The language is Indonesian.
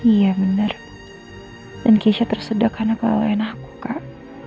iya benar dan keisha tersedak karena kelelain aku kak